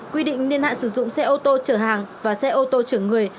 quy định niên hạn sử dụng xe ô tô chở hàng và xe ô tô chở người